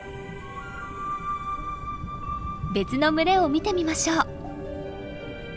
別の群れを見てみましょう。